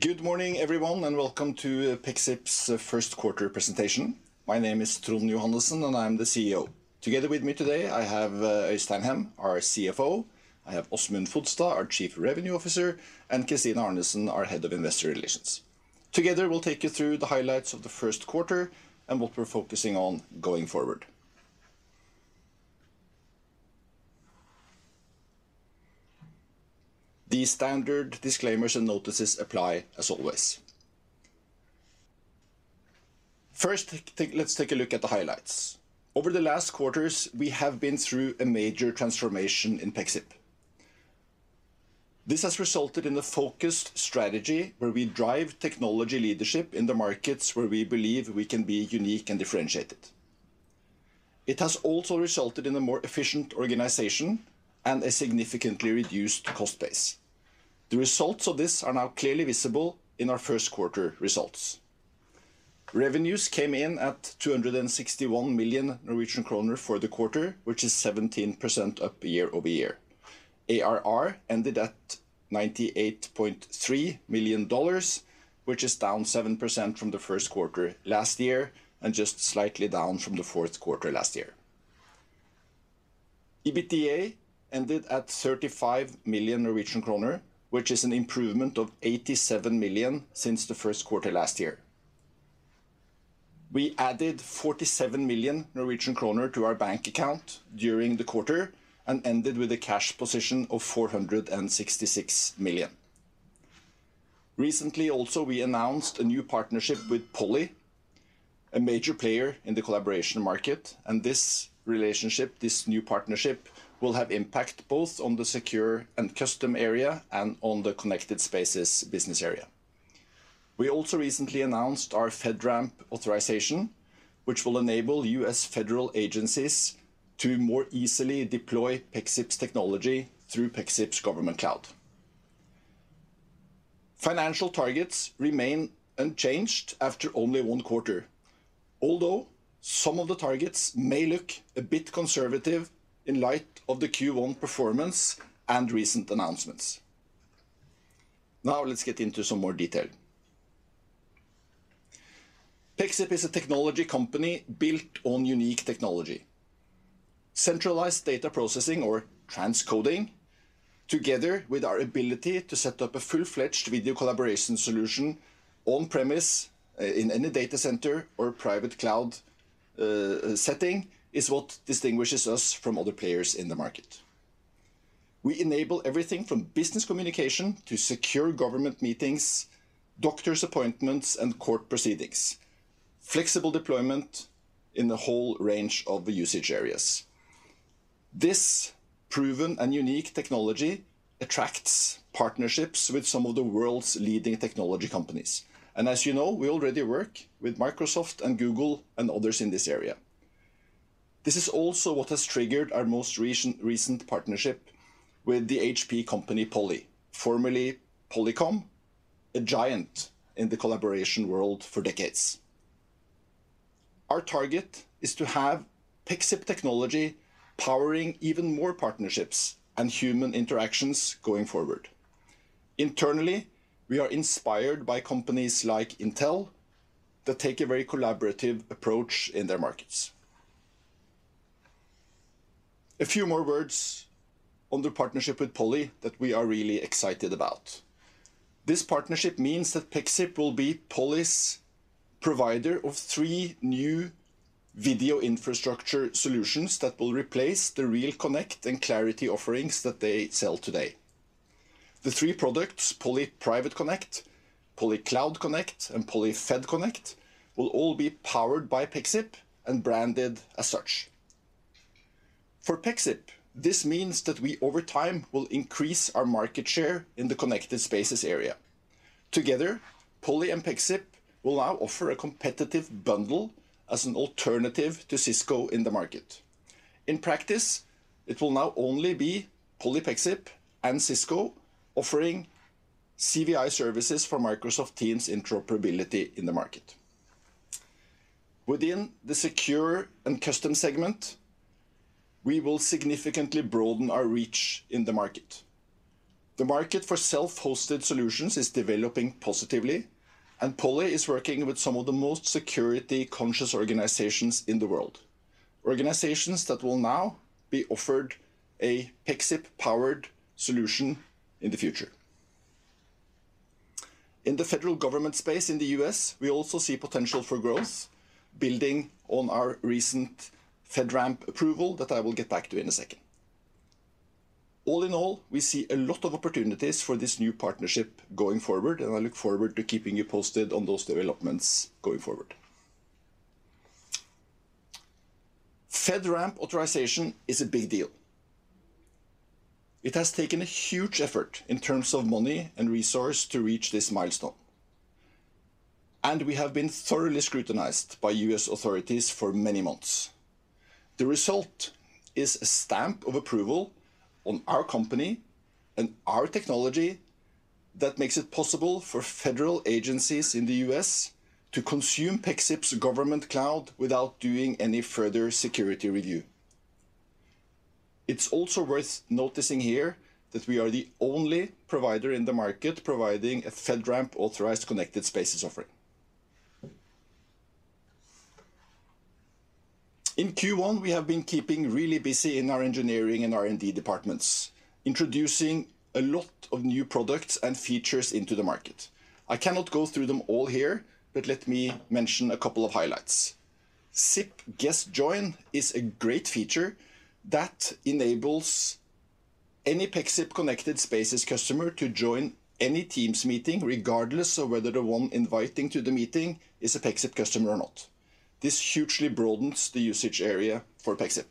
Good morning everyone, and welcome to Pexip's First Quarter Presentation. My name is Trond Johannessen, and I'm the CEO. Together with me today I have Øystein Hem, our CFO, I have Åsmund Fodstad, our Chief Revenue Officer, and Christine Arnesen, our Head of Investor Relations. Together we'll take you through the highlights of the first quarter and what we're focusing on going forward. The standard disclaimers and notices apply as always. First, let's take a look at the highlights. Over the last quarters, we have been through a major transformation in Pexip. This has resulted in a focused strategy where we drive technology leadership in the markets where we believe we can be unique and differentiated. It has also resulted in a more efficient organization and a significantly reduced cost base. The results of this are now clearly visible in our first quarter results. Revenues came in at 261 million Norwegian kroner for the quarter, which is 17% up year-over-year. ARR ended at $98.3 million, which is down 7% from the first quarter last year and just slightly down from the fourth quarter last year. EBITDA ended at 35 million Norwegian kroner, which is an improvement of 87 million since the first quarter last year. We added 47 million Norwegian kroner to our bank account during the quarter and ended with a cash position of 466 million. Recently also, we announced a new partnership with Poly, a major player in the collaboration market, and this relationship, this new partnership, will have impact both on the Secure and Custom area and on the Connected Spaces business area. We also recently announced our FedRAMP authorization, which will enable U.S. federal agencies to more easily deploy Pexip's technology through Pexip Government Cloud. Financial targets remain unchanged after only one quarter, although some of the targets may look a bit conservative in light of the Q1 performance and recent announcements. Now let's get into some more detail. Pexip is a technology company built on unique technology. Centralized data processing or transcoding, together with our ability to set up a full-fledged video collaboration solution on premise in any data center or private cloud setting, is what distinguishes us from other players in the market. We enable everything from business communication to secure government meetings, doctor's appointments, and court proceedings. Flexible deployment in the whole range of usage areas. This proven and unique technology attracts partnerships with some of the world's leading technology companies. As you know, we already work with Microsoft and Google and others in this area. This is also what has triggered our most recent partnership with the HP company, Poly, formerly Polycom, a giant in the collaboration world for decades. Our target is to have Pexip technology powering even more partnerships and human interactions going forward. Internally, we are inspired by companies like Intel that take a very collaborative approach in their markets. A few more words on the partnership with Poly that we are really excited about. This partnership means that Pexip will be Poly's provider of three new video infrastructure solutions that will replace the RealConnect and Clarity offerings that they sell today. The three products, Poly PrivateConnect, Poly CloudConnect, and Poly FedConnect, will all be powered by Pexip and branded as such. For Pexip, this means that we, over time, will increase our market share in the Connected Spaces area. Together, Poly and Pexip will now offer a competitive bundle as an alternative to Cisco in the market. In practice, it will now only be Poly, Pexip and Cisco offering CVI services for Microsoft Teams interoperability in the market. Within the Secure and Custom segment, we will significantly broaden our reach in the market. The market for self-hosted solutions is developing positively, and Poly is working with some of the most security-conscious organizations in the world, organizations that will now be offered a Pexip-powered solution in the future. In the federal government space in the U.S., we also see potential for growth, building on our recent FedRAMP approval that I will get back to in a second. All in all, we see a lot of opportunities for this new partnership going forward, and I look forward to keeping you posted on those developments going forward. FedRAMP authorization is a big deal. It has taken a huge effort in terms of money and resource to reach this milestone, and we have been thoroughly scrutinized by U.S. authorities for many months. The result is a stamp of approval on our company and our technology that makes it possible for federal agencies in the U.S. to consume Pexip Government Cloud without doing any further security review. It's also worth noticing here that we are the only provider in the market providing a FedRAMP authorized Connected Spaces offering. In Q1, we have been keeping really busy in our engineering and R&D departments, introducing a lot of new products and features into the market. I cannot go through them all here, but let me mention a couple of highlights. SIP Guest Join is a great feature that enables any Pexip Connected Spaces customer to join any Teams meeting, regardless of whether the one inviting to the meeting is a Pexip customer or not. This hugely broadens the usage area for Pexip.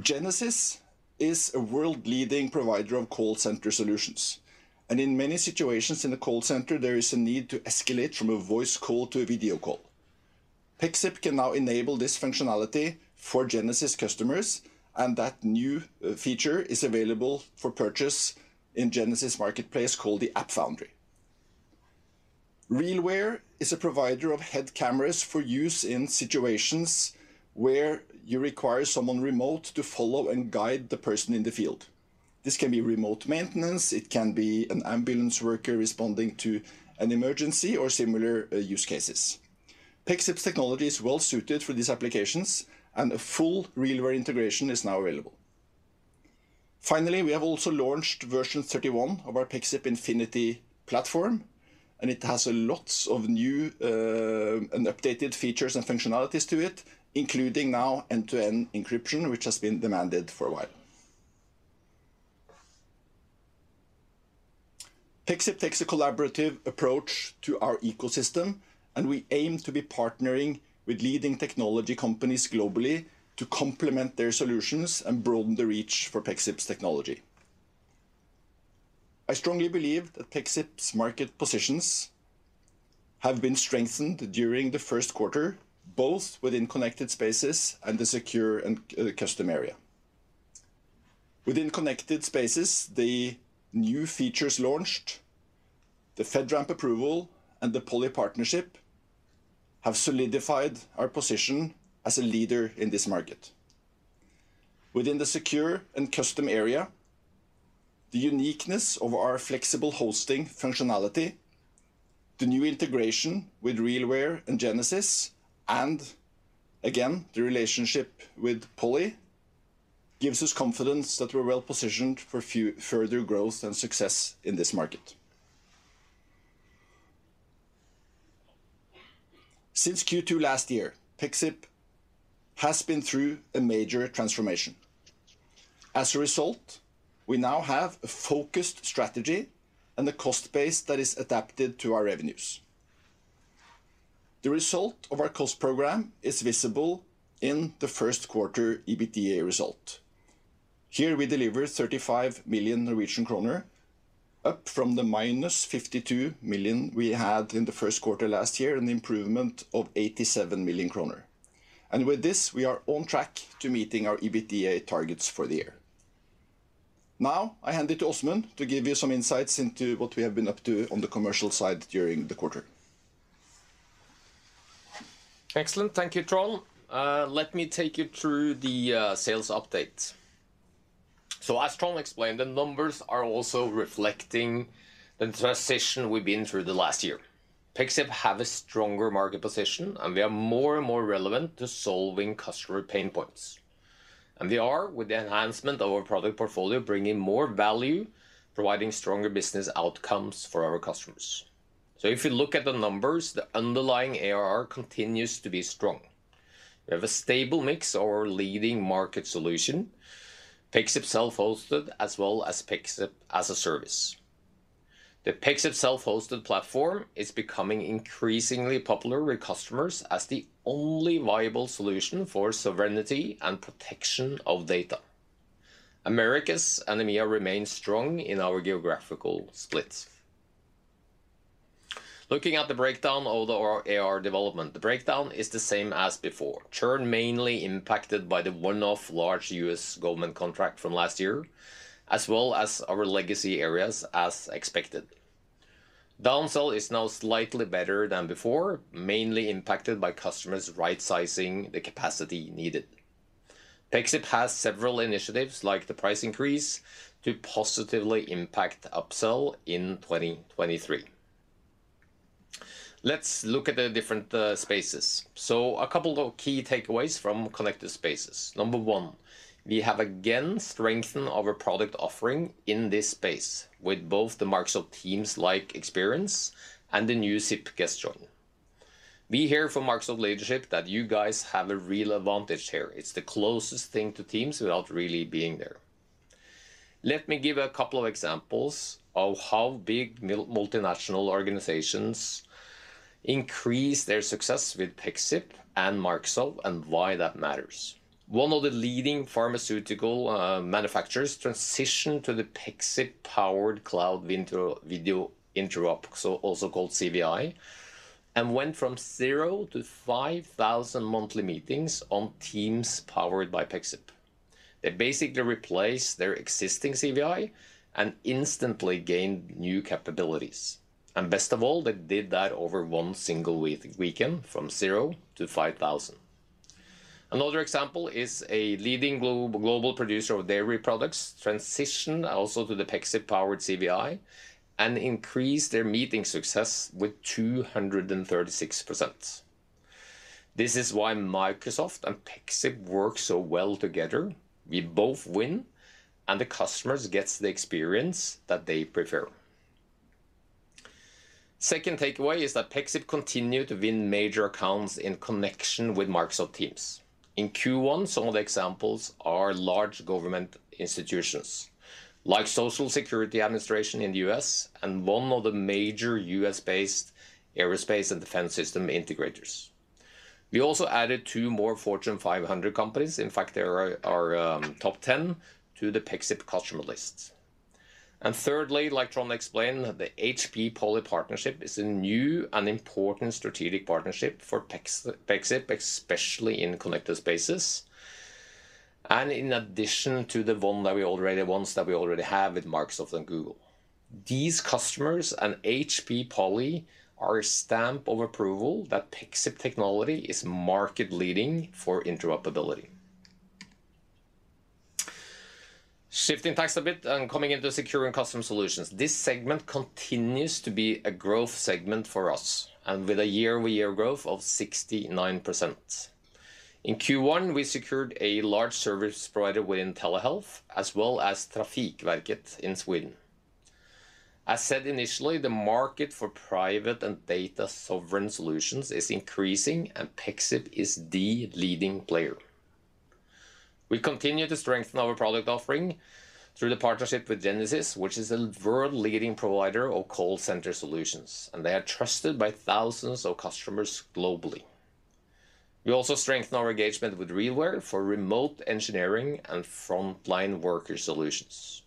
Genesys is a world-leading provider of call center solutions, and in many situations in the call center, there is a need to escalate from a voice call to a video call. Pexip can now enable this functionality for Genesys customers, and that new feature is available for purchase in Genesys marketplace, called the AppFoundry. RealWear is a provider of head cameras for use in situations where you require someone remote to follow and guide the person in the field. This can be remote maintenance, it can be an ambulance worker responding to an emergency or similar use cases. Pexip's technology is well suited for these applications. A full RealWear integration is now available. Finally, we have also launched version 31 of our Pexip Infinity platform, and it has a lots of new and updated features and functionalities to it, including now end-to-end encryption, which has been demanded for a while. Pexip takes a collaborative approach to our ecosystem, and we aim to be partnering with leading technology companies globally to complement their solutions and broaden the reach for Pexip's technology. I strongly believe that Pexip's market positions have been strengthened during the first quarter, both within Connected Spaces and the secure and custom area. Within Connected Spaces, the new features launched, the FedRAMP approval, and the Poly partnership have solidified our position as a leader in this market. Within the secure and custom area, the uniqueness of our flexible hosting functionality, the new integration with RealWear and Genesys, again, the relationship with Poly, gives us confidence that we're well positioned for further growth and success in this market. Since Q2 last year, Pexip has been through a major transformation. As a result, we now have a focused strategy and a cost base that is adapted to our revenues. The result of our cost program is visible in the first quarter EBITDA result. Here we deliver 35 million Norwegian kroner, up from the -52 million we had in the first quarter last year, an improvement of 87 million kroner. With this, we are on track to meeting our EBITDA targets for the year. Now I hand it to Åsmund to give you some insights into what we have been up to on the commercial side during the quarter. Excellent. Thank you, Trond. Let me take you through the sales update. As Trond explained, the numbers are also reflecting the transition we've been through the last year. Pexip have a stronger market position, and we are more and more relevant to solving customer pain points. We are with the enhancement of our product portfolio, bringing more value, providing stronger business outcomes for our customers. If you look at the numbers, the underlying ARR continues to be strong. We have a stable mix of our leading market solution, Pexip Self-Hosted, as well as Pexip as a service. The Pexip Self-Hosted platform is becoming increasingly popular with customers as the only viable solution for sovereignty and protection of data. Americas and EMEA remain strong in our geographical splits. Looking at the breakdown of our ARR development, the breakdown is the same as before. Churn mainly impacted by the one-off large U.S. government contract from last year, as well as our legacy areas as expected. Downsell is now slightly better than before, mainly impacted by customers right-sizing the capacity needed. Pexip has several initiatives, like the price increase, to positively impact upsell in 2023. Let's look at the different spaces. A couple of key takeaways from Connected Spaces. Number one, we have again strengthened our product offering in this space with both the Microsoft Teams-like experience and the new SIP Guest Join. We hear from Microsoft leadership that you guys have a real advantage here. It's the closest thing to Teams without really being there. Let me give a couple of examples of how big multinational organizations increase their success with Pexip and Microsoft and why that matters. One of the leading pharmaceutical manufacturers transitioned to the Pexip-powered Cloud Video Interop, so also called CVI, and went from 0-5,000 monthly meetings on Teams powered by Pexip. They basically replaced their existing CVI and instantly gained new capabilities. Best of all, they did that over one single weekend, from 0-5,000. Another example is a leading global producer of dairy products transitioned also to the Pexip-powered CVI and increased their meeting success with 236%. This is why Microsoft and Pexip work so well together. We both win, and the customers gets the experience that they prefer. Second takeaway is that Pexip continue to win major accounts in connection with Microsoft Teams. In Q1, some of the examples are large government institutions, like Social Security Administration in the U.S. and one of the major U.S. based aerospace and defense system integrators. We also added two more Fortune 500 companies. In fact, they are top 10 to the Pexip customer list. Thirdly, like Trond explained, the HP Poly partnership is a new and important strategic partnership for Pexip, especially in Connected Spaces, and in addition to the ones that we already have with Microsoft and Google. These customers and HP Poly are a stamp of approval that Pexip technology is market-leading for interoperability. Shifting tacks a bit and coming into Secure and Custom. This segment continues to be a growth segment for us, with a year-over-year growth of 69%. In Q1, we secured a large service provider within telehealth, as well as Trafikverket in Sweden. As said initially, the market for private and data sovereign solutions is increasing, and Pexip is the leading player. We continue to strengthen our product offering through the partnership with Genesys, which is a world-leading provider of call center solutions. They are trusted by thousands of customers globally. We also strengthen our engagement with RealWear for remote engineering and frontline worker solutions.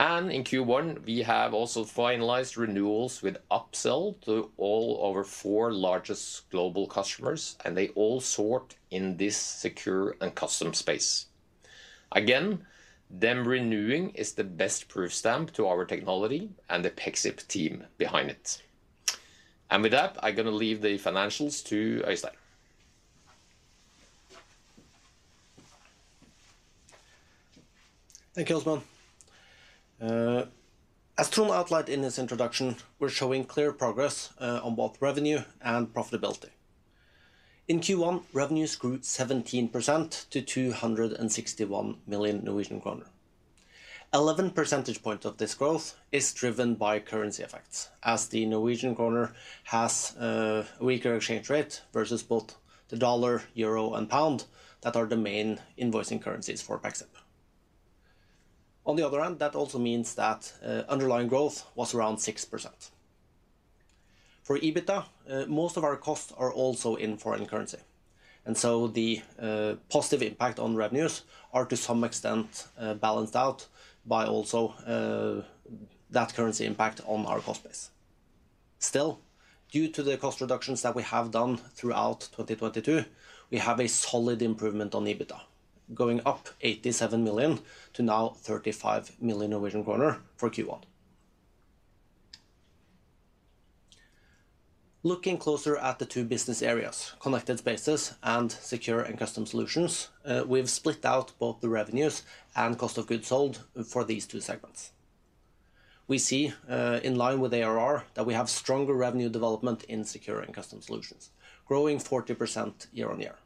In Q1, we have also finalized renewals with upsell to all our four largest global customers. They all sort in this Secure and Custom space. Again, them renewing is the best proof stamp to our technology and the Pexip team behind it. With that, I'm gonna leave the financials to Øystein. Thank you, Åsmund Fodstad. As Trond Johannessen outlined in his introduction, we're showing clear progress on both revenue and profitability. In Q1, revenues grew 17% to 261 million Norwegian kroner. 11 percentage point of this growth is driven by currency effects, as the Norwegian kroner has a weaker exchange rate versus both the dollar, euro, and pound that are the main invoicing currencies for Pexip. That also means that underlying growth was around 6%. For EBITDA, most of our costs are also in foreign currency, the positive impact on revenues are to some extent balanced out by also that currency impact on our cost base. Due to the cost reductions that we have done throughout 2022, we have a solid improvement on EBITDA, going up 87 million to now 35 million Norwegian kroner for Q1. Looking closer at the two business areas, Connected Spaces and Secure and Custom Solutions, we've split out both the revenues and cost of goods sold for these two segments. We see, in line with ARR, that we have stronger revenue development in Secure and Custom Solutions, growing 40% year-on-year.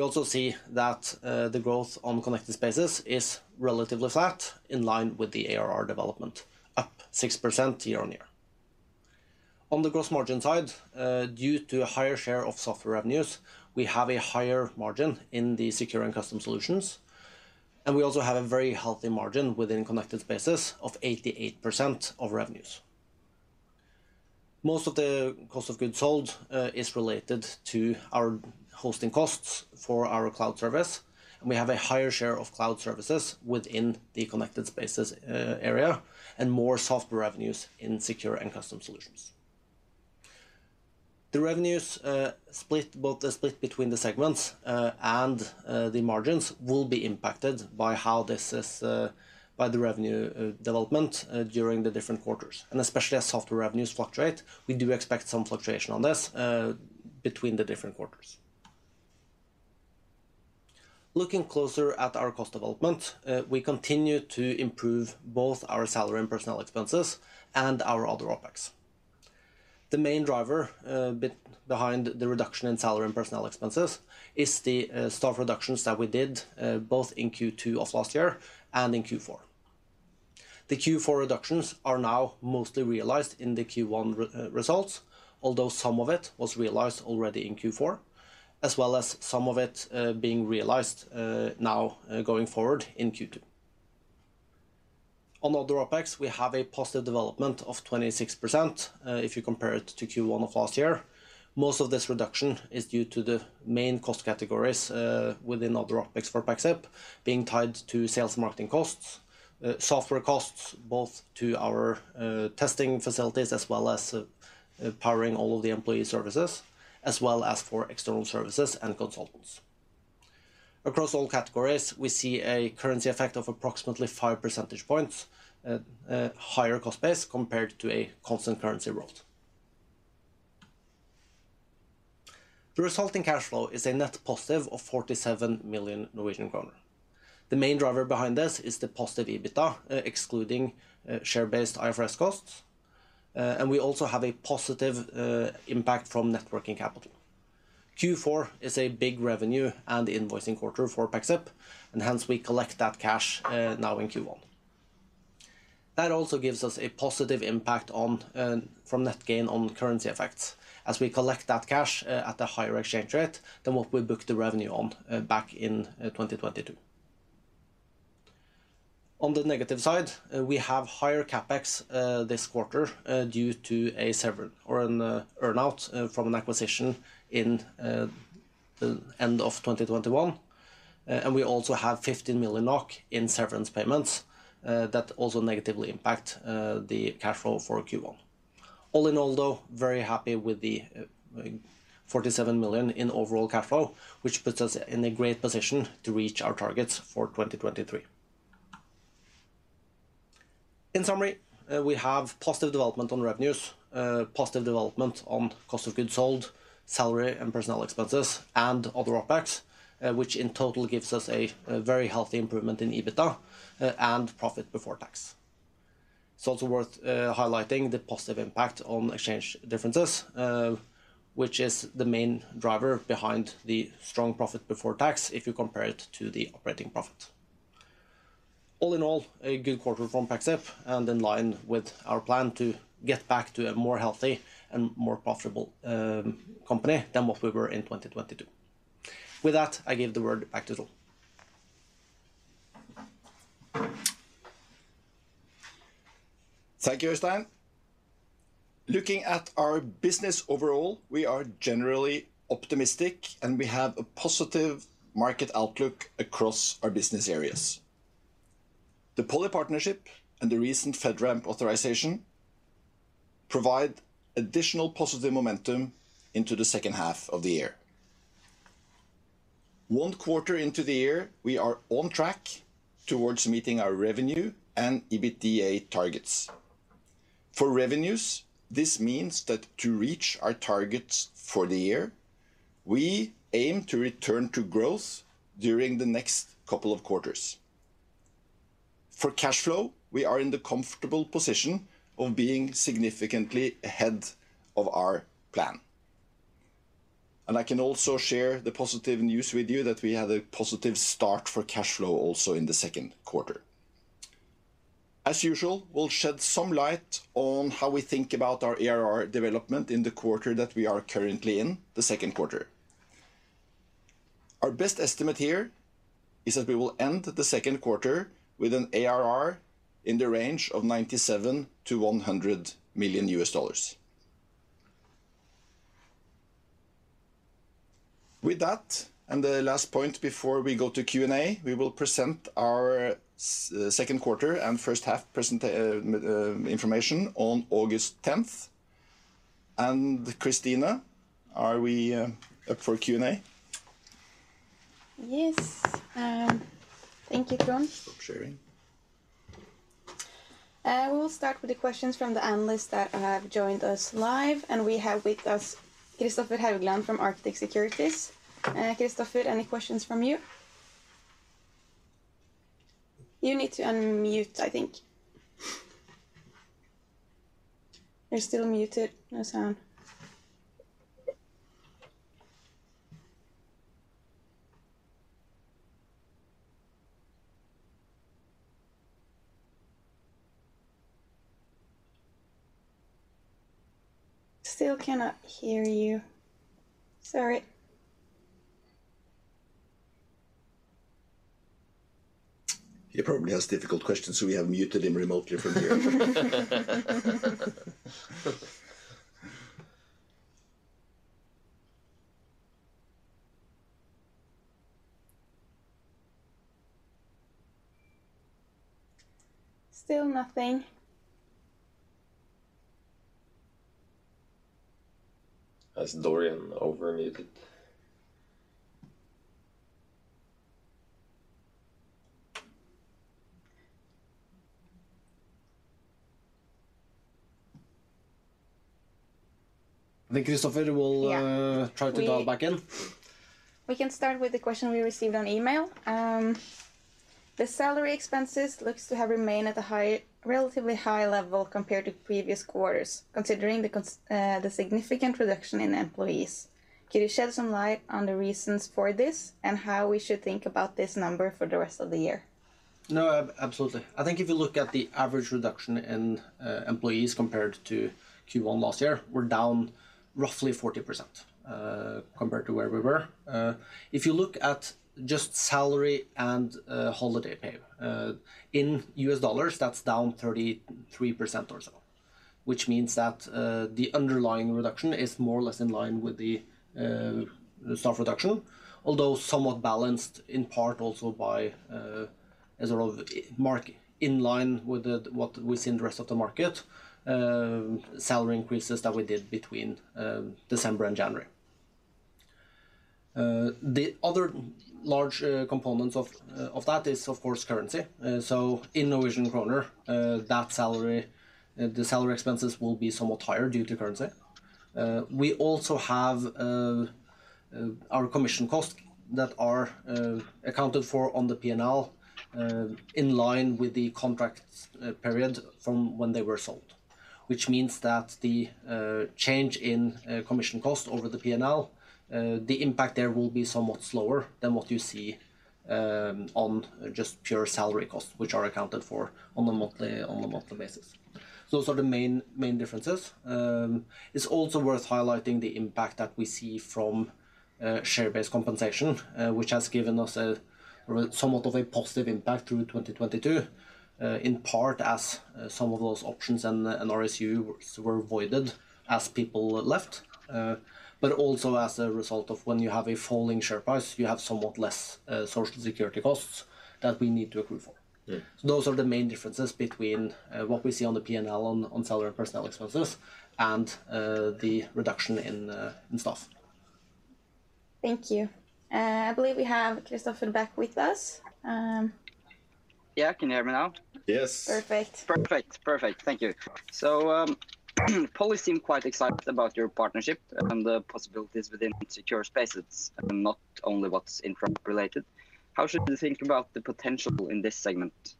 We also see that the growth on Connected Spaces is relatively flat, in line with the ARR development, up 6% year-on-year. On the gross margin side, due to a higher share of software revenues, we have a higher margin in the Secure and Custom Solutions, and we also have a very healthy margin within Connected Spaces of 88% of revenues. Most of the cost of goods sold is related to our hosting costs for our cloud service, and we have a higher share of cloud services within the Connected Spaces area, and more software revenues in Secure and Custom Solutions. The revenues split, both the split between the segments, and the margins will be impacted by how this is by the revenue development during the different quarters. Especially as software revenues fluctuate, we do expect some fluctuation on this between the different quarters. Looking closer at our cost development, we continue to improve both our salary and personnel expenses and our other OPEX. The main driver behind the reduction in salary and personnel expenses is the staff reductions that we did both in Q2 of last year and in Q4. The Q4 reductions are now mostly realized in the Q1 results, although some of it was realized already in Q4, as well as some of it being realized now going forward in Q2. On other OPEX, we have a positive development of 26% if you compare it to Q1 of last year. Most of this reduction is due to the main cost categories within other OPEX for Pexip being tied to sales and marketing costs, software costs, both to our testing facilities as well as powering all of the employee services, as well as for external services and consultants. Across all categories, we see a currency effect of approximately five percentage points higher cost base compared to a constant currency world. The resulting cash flow is a net positive of 47 million Norwegian kroner. The main driver behind this is the positive EBITDA, excluding share-based IFRS costs. We also have a positive impact from net working capital. Q4 is a big revenue and invoicing quarter for Pexip, we collect that cash now in Q1. That also gives us a positive impact on from net gain on currency effects as we collect that cash at a higher exchange rate than what we booked the revenue on back in 2022. On the negative side, we have higher CapEx this quarter due to an earn-out from an acquisition in the end of 2021. We also have 15 million NOK in severance payments that also negatively impact the cash flow for Q1. All in all, though, very happy with the 47 million in overall cash flow, which puts us in a great position to reach our targets for 2023. In summary, we have positive development on revenues, positive development on cost of goods sold, salary and personnel expenses and other OPEX, which in total gives us a very healthy improvement in EBITDA and profit before tax. It's also worth highlighting the positive impact on exchange differences, which is the main driver behind the strong profit before tax if you compare it to the operating profit. All in all, a good quarter from Pexip and in line with our plan to get back to a more healthy and more profitable company than what we were in 2022. With that, I give the word back to Trond. Thank you, Øystein. Looking at our business overall, we are generally optimistic. We have a positive market outlook across our business areas. The Poly partnership and the recent FedRAMP authorization provide additional positive momentum into the second half of the year. One quarter into the year, we are on track towards meeting our revenue and EBITDA targets. For revenues, this means that to reach our targets for the year, we aim to return to growth during the next couple of quarters. For cash flow, we are in the comfortable position of being significantly ahead of our plan. I can also share the positive news with you that we had a positive start for cash flow also in the second quarter. As usual, we'll shed some light on how we think about our ARR development in the quarter that we are currently in, the second quarter. Our best estimate here is that we will end the second quarter with an ARR in the range of $97 million-$100 million. With that, and the last point before we go to Q&A, we will present our second quarter and first half information on August 10th. Christine, are we up for Q&A? Yes. Thank you, Trond. Stop sharing. We will start with the questions from the analysts that have joined us live. We have with us Kristoffer Haugland from Arctic Securities. Kristoffer, any questions from you? You need to unmute, I think. You're still muted. No sound. Still cannot hear you. Sorry. He probably has difficult questions, so we have muted him remotely from here. Still nothing. Has Dorian over-muted? I think Kristoffer. Yeah. try to dial back in. We can start with the question we received on email. The salary expenses looks to have remained at a relatively high level compared to previous quarters, considering the significant reduction in employees. Can you shed some light on the reasons for this and how we should think about this number for the rest of the year? No, absolutely. I think if you look at the average reduction in employees compared to Q1 last year, we're down roughly 40% compared to where we were. If you look at just salary and holiday pay in U.S. dollars, that's down 33% or so, which means that the underlying reduction is more or less in line with the staff reduction. Although somewhat balanced in part also by. As a sort of mark in line with the, what we see in the rest of the market, salary increases that we did between December and January. The other large component of that is of course currency. In Norwegian kroner, that salary, the salary expenses will be somewhat higher due to currency. We also have our commission costs that are accounted for on the P&L in line with the contract period from when they were sold, which means that the change in commission cost over the P&L, the impact there will be somewhat slower than what you see on just pure salary costs, which are accounted for on a monthly basis. Those are the main differences. It's also worth highlighting the impact that we see from share-based compensation, which has given us a somewhat of a positive impact through 2022, in part as some of those options and RSU were voided as people left. Also as a result of when you have a falling share price, you have somewhat less social security costs that we need to accrue for. Yeah. Those are the main differences between what we see on the P&L on salary and personnel expenses and the reduction in staff. Thank you. I believe we have Kristoffer back with us. Yeah. Can you hear me now? Yes. Perfect. Perfect. Perfect. Thank you. Poly seem quite excited about your partnership and the possibilities within secure spaces and not only what's Interop related. How should we think about the potential in this segment?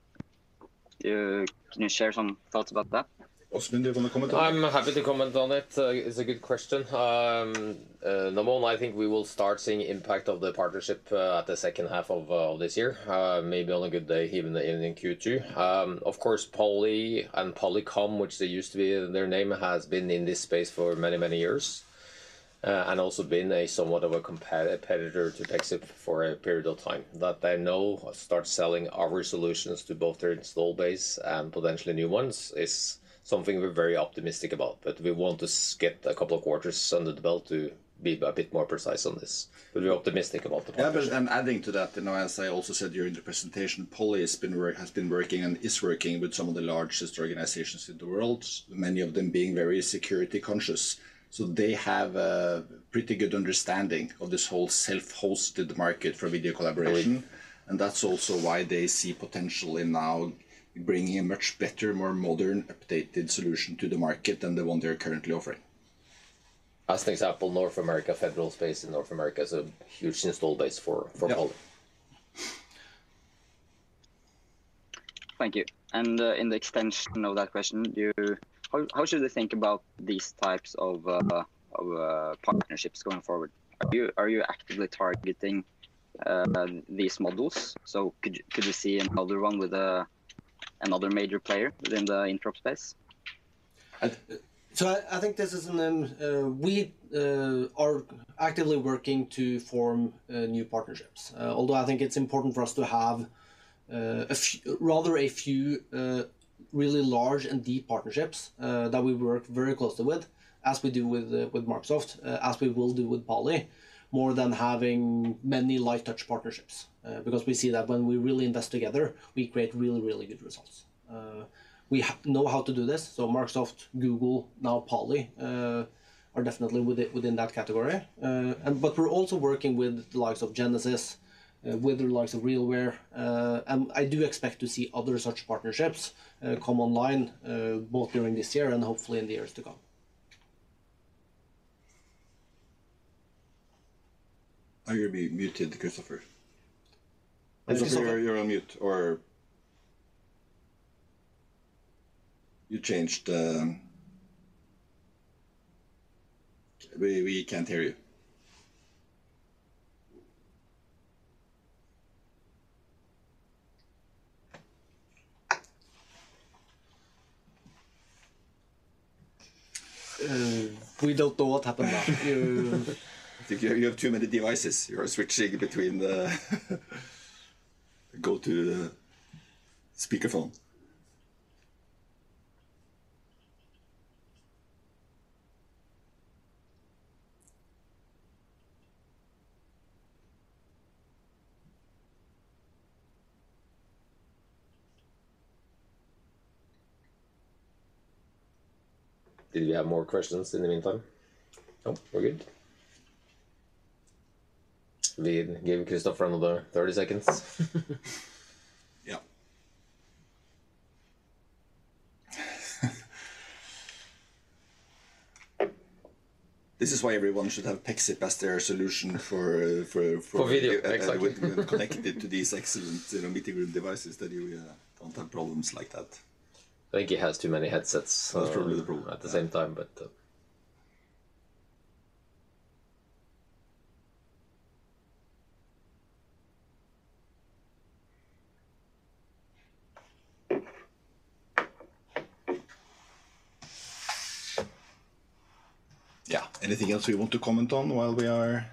Can you share some thoughts about that? Åsmund, do you want to comment on that? I'm happy to comment on it. It's a good question. Number one, I think we will start seeing impact of the partnership at the second half of this year, maybe on a good day, even in Q2. Of course, Poly and Polycom, which they used to be their name, has been in this space for many, many years and also been a somewhat of a competitor to Pexip for a period of time. That they now start selling our solutions to both their install base and potentially new ones is something we're very optimistic about. We want to get a couple of quarters under the belt to be a bit more precise on this. We're optimistic about the partnership. Adding to that, you know, as I also said during the presentation, Poly has been working and is working with some of the largest organizations in the world, many of them being very security conscious. They have a pretty good understanding of this whole self-hosted market for video collaboration. That's also why they see potential in now bringing a much better, more modern, updated solution to the market than the one they're currently offering. As an example, North America, Federal space in North America is a huge install base for Poly. Yeah. Thank you. In the extension of that question, How should we think about these types of partnerships going forward? Are you actively targeting, these models? Could you see another one with another major player within the Interop space? I think this is an. We are actively working to form new partnerships. Although I think it's important for us to have rather a few really large and deep partnerships that we work very closely with, as we do with Microsoft, as we will do with Poly, more than having many light touch partnerships. Because we see that when we really invest together, we create really good results. We know how to do this, Microsoft, Google, now Poly are definitely within that category. We're also working with the likes of Genesys, with the likes of RealWear. I do expect to see other such partnerships come online both during this year and hopefully in the years to come. I think you're muted, Kristoffer. I just saw that. You're on mute or... You changed. We can't hear you. We don't know what happened now. I think you have too many devices. You are switching between. Go to speakerphone. Did you have more questions in the meantime? No, we're good? We give Kristoffer another 30 seconds. Yeah. This is why everyone should have Pexip as their solution for. For video. Exactly. When connected to these excellent, you know, meeting room devices that you don't have problems like that. I think he has too many headsets. That's probably the problem. Yeah.... at the same time, but... Yeah. Anything else you want to comment on while we are...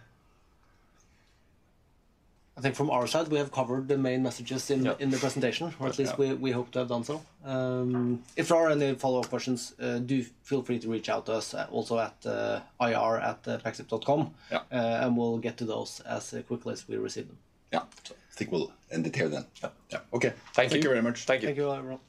I think from our side, we have covered the main messages. Yeah. in the presentation. Yes. At least we hope to have done so. If there are any follow-up questions, do feel free to reach out to us also at ir@pexip.com. Yeah. We'll get to those as quickly as we receive them. Yeah. I think we'll end it here then. Yeah. Yeah. Okay. Thank you. Thank you very much. Thank you. Thank you, everyone.